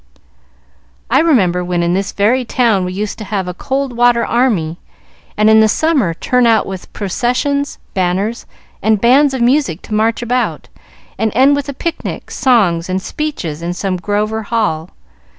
"I remember when in this very town we used to have a Cold Water Army, and in the summer turn out with processions, banners, and bands of music to march about, and end with a picnic, songs, and speeches in some grove or hall.